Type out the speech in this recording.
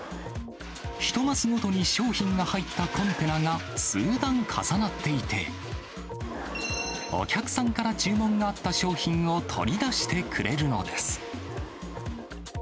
１マスごとに商品が入ったコンテナが数段重なっていて、お客さんから注文があった商品を取り出してくれるのです。